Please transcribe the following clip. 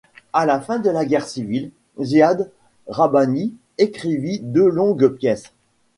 À la fin de la guerre civile, Ziad Rahbani écrivit deux longues pièces.